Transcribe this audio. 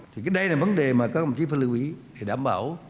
thì đây là vấn đề mà các công chí phải lưu ý để đảm bảo